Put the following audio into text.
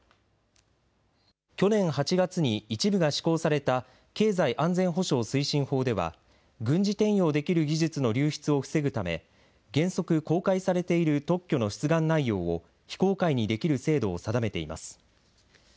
去年８月に一部が施行された経済安全保障推進法では軍事転用できる技術の流出を防ぐため、原則、公開されている特許の出願内容を非公開にできる制度を定めています。